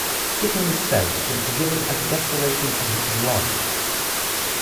Gittings says it was given as a declaration of his love.